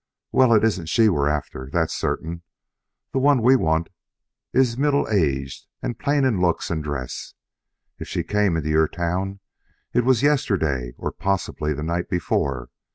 "Well, it isn't she we're after, that's certain. The one we want is middle aged, and plain in looks and dress. If she came into your town, it was yesterday or possibly the night before.